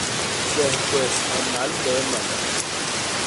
Kwehkwes a mal mbee mañga.